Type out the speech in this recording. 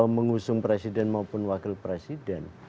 mengusung presiden maupun wakil presiden